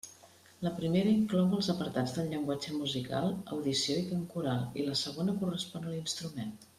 La primera inclou els apartats de llenguatge musical, audició i cant coral, i la segona correspon a l'instrument.